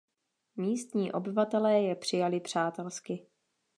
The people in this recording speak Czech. Místní obyvatelé je přijali přátelsky.